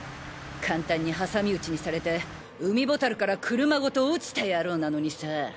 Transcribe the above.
簡単に挟み撃ちにされて海ボタルから車ごと落ちた野郎なのにさぁ。